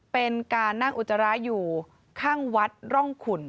เป็นการนั่งอุจจาระอยู่ข้างวัดร่องขุน